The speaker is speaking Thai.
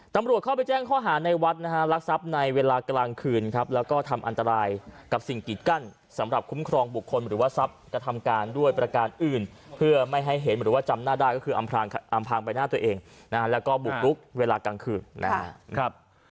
ตำรวจเข้าไปแจ้งข้อหาในวัดนะฮะรักทรัพย์ในเวลากลางคืนครับแล้วก็ทำอันตรายกับสิ่งกีดกั้นสำหรับคุ้มครองบุคคลหรือว่าทรัพย์กระทำการด้วยประการอื่นเพื่อไม่ให้เห็นหรือว่าจำหน้าได้ก็คืออำพางใบหน้าตัวเองนะฮะแล้วก็บุกรุกเวลากลางคืนนะครับ